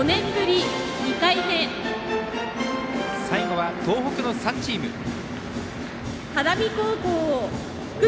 最後は、東北の３チーム。